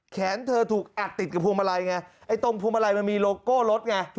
เธอถูกอัดติดกับพวงมาลัยไงไอ้ตรงพวงมาลัยมันมีโลโก้รถไง